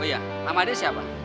oh iya nama dia siapa